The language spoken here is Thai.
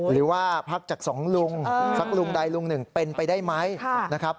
หรือว่าพักจากสองลุงสักลุงใดลุงหนึ่งเป็นไปได้ไหมนะครับ